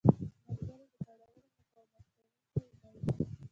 ملګری د کړاوونو مقاومت کوونکی دی